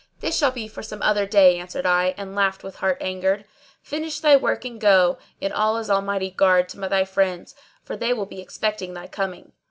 "This shall be for some other day," answered I, and laughed with heart angered: "finish thy work and go, in Allah Almighty's guard, to thy friends, for they will be expecting thy coming."